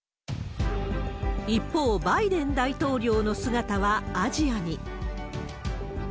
一方、バイデン大統領の姿はアジアに。